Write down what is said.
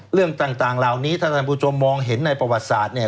เรื่องต่างเหล่านี้ถ้าท่านผู้ชมมองเห็นในประวัติศาสตร์เนี่ย